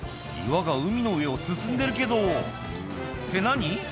岩が海の上を進んでるけどって何？